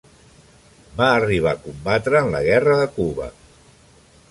Va arribar a combatre en la guerra de Cuba.